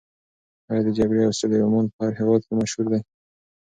ایا د جګړې او سولې رومان په هر هېواد کې مشهور دی؟